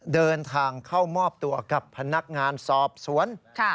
เดินทางเข้ามอบตัวกับพนักงานสอบสวน